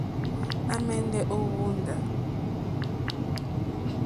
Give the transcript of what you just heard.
À mɛ̀ndɛ́ ô hwóndá.